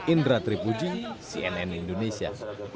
indra tripuji cnn indonesia